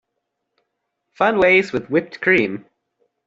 Fun ways with whipped cream.